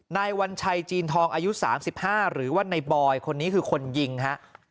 วัญชัยจีนทองอายุ๓๕หรือว่าในบอยคนนี้คือคนยิงฮะ